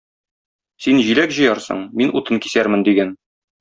Син җиләк җыярсың, мин утын кисәрмен,- дигән.